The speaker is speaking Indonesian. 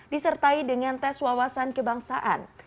disertai dengan tes wawasan kebangsaan